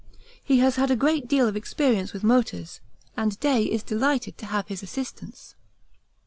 He has had a great deal of experience with motors, and Day is delighted to have his assistance.